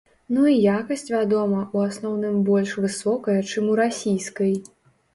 Ну і якасць, вядома, у асноўным больш высокая, чым у расійскай.